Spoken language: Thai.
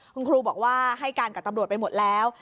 คุณครูบอกว่าให้การกับตำรวจไปหมดแล้ว